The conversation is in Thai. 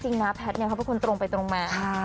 จริงนะแพทย์เนี่ยเขาเป็นคนตรงไปตรงมา